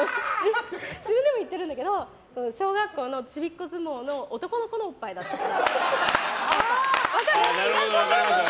自分でも言ってるんだけど小学校のちびっこ相撲の男の子のおっぱいだったから。